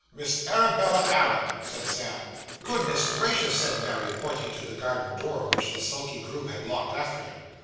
'Miss Arabella Allen,' said Sam. 'Goodness gracious!' said Mary, pointing to the garden door which the sulky groom had locked after him.